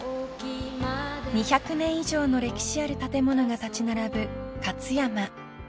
［２００年以上の歴史ある建物が立ち並ぶ勝山］